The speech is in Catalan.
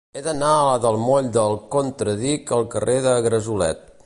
He d'anar del moll del Contradic al carrer de Gresolet.